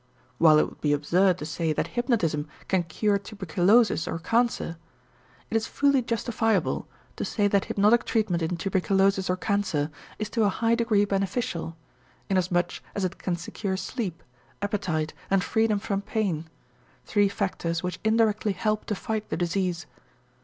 While it would be absurd to say that hypnotism can cure tuberculosis or cancer, it is fully justifiable to say that hypnotic treatment in tuberculosis or cancer is to a high degree beneficial, inasmuch as it can secure sleep, appetite, and freedom from pain, three factors which indirectly help to fight the disease.